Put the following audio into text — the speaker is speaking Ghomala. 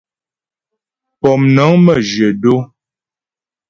Pómnəŋ məjyə̂ dó.